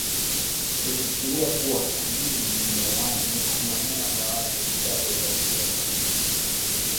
Tulifikiria kuwa Amin ni muuaji mla nyama za watu Chavez alisema